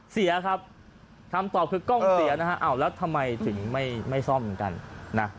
เสียครับคำตอบคือกล้องเสียนะฮะอ้าวแล้วทำไมถึงไม่ซ่อมเหมือนกันนะ